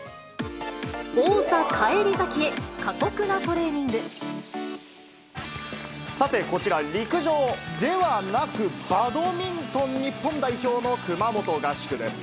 王座返り咲きへ、過酷なトレさて、こちら、陸上ではなく、バドミントン日本代表の熊本合宿です。